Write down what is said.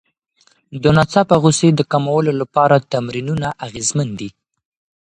د ناڅاپه غوسې د کمولو لپاره تمرینونه اغېزمن دي.